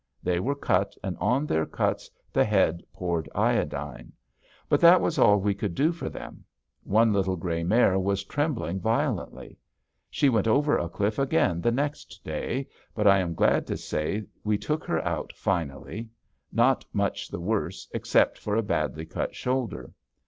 They were cut, and on their cuts the Head poured iodine. But that was all we could do for them. One little gray mare was trembling violently. She went over a cliff again the next day, but I am glad to say that we took her out finally, not much the worse except for a badly cut shoulder.